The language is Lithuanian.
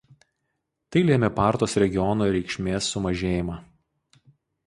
Tai lėmė Partos regiono reikšmės sumažėjimą.